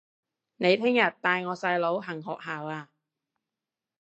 你聽日帶我細佬行學校吖